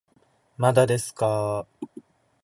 まだですかー